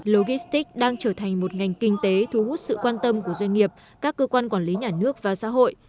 logistics đang trở thành một ngành kinh tế thu hút sự quan tâm của doanh nghiệp các cơ quan quản lý nhà nước và xã hội